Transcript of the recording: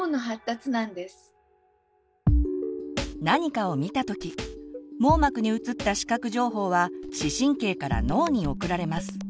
何かを見た時網膜にうつった視覚情報は視神経から脳に送られます。